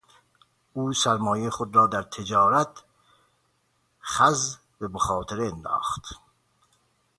او سرمایهی خود را در تجارت خز به مخاطره انداخت.